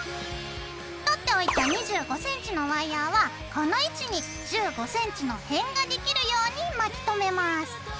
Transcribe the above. とっておいた２５センチのワイヤーはこの位置に１５センチの辺ができるように巻き止めます。